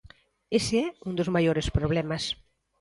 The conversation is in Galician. Ese é un dos maiores problemas.